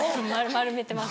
丸めてます。